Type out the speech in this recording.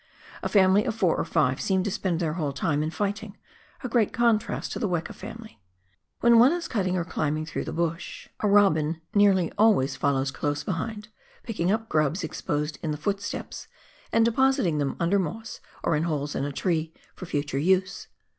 A family of four or five seem to spend their whole time in fighting — a great contrast to the weka family. "When one is cutting or climbing through the bush, a robin nearly always WESTLAND. 39 follows close behind, picking up grubs exposed in the foot steps, and depositing them under moss or in holes in a tree, for future use.